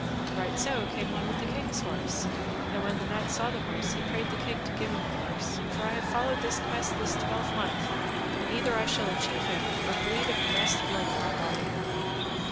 Right so came one with the king's horse, and when the knight saw the horse, he prayed the king to give him the horse: for I have followed this quest this twelvemonth, and either I shall achieve him, or bleed of the best blood of my body.